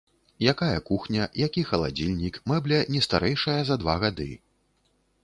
Якая кухня, які халадзільнік, мэбля не старэйшая за два гады.